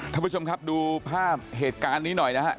ท่านผู้ชมครับดูภาพเหตุการณ์นี้หน่อยนะครับ